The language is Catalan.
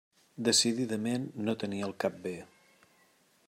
Decididament no tenia el cap bé.